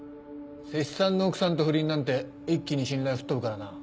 施主さんの奥さんと不倫なんて一気に信頼吹っ飛ぶからな。